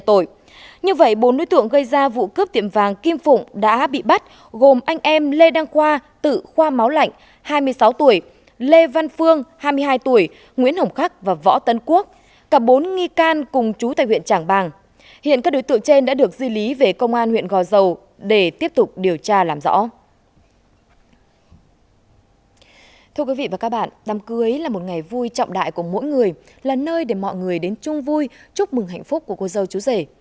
thưa quý vị và các bạn đám cưới là một ngày vui trọng đại của mỗi người là nơi để mọi người đến chung vui chúc mừng hạnh phúc của cô dâu chú rể